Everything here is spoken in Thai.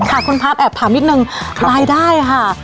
ค่ะคุณภาพแอบถามนิดนึงรายได้ค่ะ